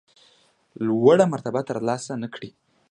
لوړه مرتبه ترلاسه نه کړه.